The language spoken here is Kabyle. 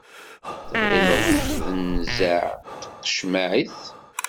Tɣileḍ d nnzeɛ n tiqecmaɛt.